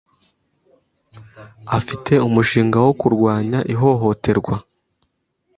afite umushinga wo kurwanya ihohoterwa